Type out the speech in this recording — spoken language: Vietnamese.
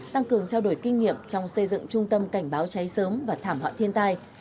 tăng cường trao đổi kinh nghiệm trong xây dựng trung tâm cảnh báo cháy sớm và thảm họa thiên tai